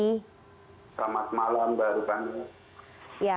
selamat malam mbak rufani